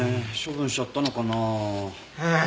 処分しちゃったのかな？